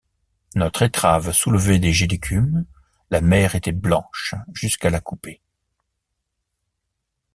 Notre étrave soulevait des jets d'écume, la mer était blanche jusqu'à la coupée.